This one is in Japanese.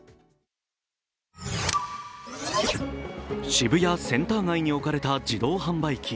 渋谷センター街に置かれた自動販売機。